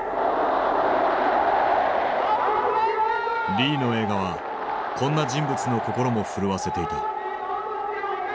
リーの映画はこんな人物の心も震わせていた。